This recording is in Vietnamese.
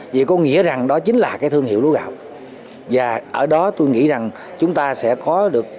vì có nghĩa rằng đó chính là cái thương hiệu lúa gạo